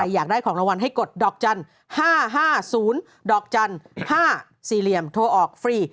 อยากได้ของรางวัลให้กดดอกจันทร์๕๕๐ดอกจันทร์๕๔เหลี่ยมโทรออกฟรี